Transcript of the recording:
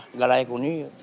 nggak layak huni